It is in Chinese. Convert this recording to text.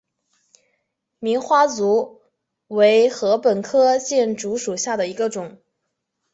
棉花竹为禾本科箭竹属下的一个种。